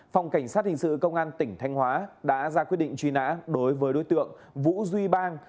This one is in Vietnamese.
phòng cảnh sát hình sự công an tỉnh thanh hóa đã ra quyết định truy nã đối với đối tượng vũ duy bang